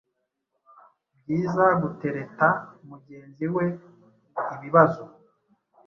Byiza gutereta mugenzi we ibibazo